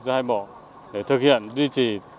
giữa hai bộ để thực hiện duy trì